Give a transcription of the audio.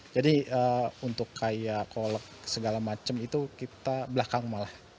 jadi untuk kayak kolak segala macam itu kita belakang malah